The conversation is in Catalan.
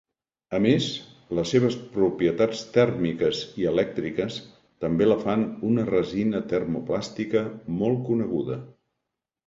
A més, les seves propietats tèrmiques i elèctriques també la fan un resina termoplàstica molt coneguda.